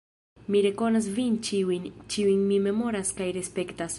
Mi rekonas vin ĉiujn, ĉiujn mi memoras kaj respektas.